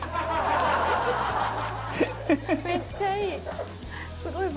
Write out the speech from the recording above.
めっちゃいい！